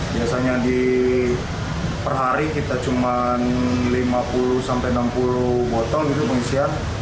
biasanya di perhari kita cuma lima puluh enam puluh botol gitu pengisian